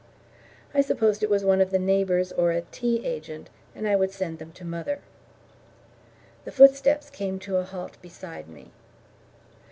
I supposed it was one of the neighbours or a tea agent, and I would send them to mother. The footsteps had come to a halt beside me.